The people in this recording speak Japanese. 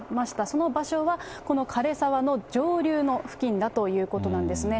その場所は、このかれ沢の上流の付近だということなんですね。